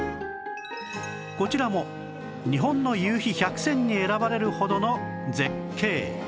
こちらも日本の夕陽百選に選ばれるほどの絶景